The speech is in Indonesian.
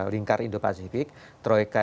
lingkar indo pasifik troika